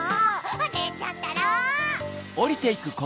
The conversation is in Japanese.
おねえちゃんったら！